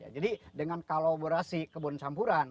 jadi dengan kolaborasi kebun sampuran